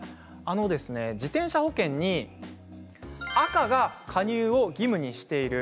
自転車保険に赤が加入を義務にしている。